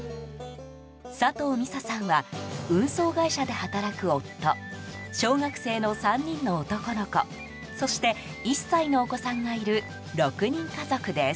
佐藤未紗さんは運送会社で働く夫小学生の３人の男の子そして、１歳のお子さんがいる６人家族です。